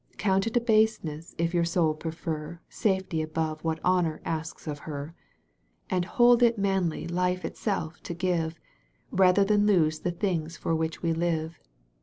Count it a baseness if your soul prefer Safety above what Honor asks of her: And hold it manly life itself to give. Rather than lose the things for which we live.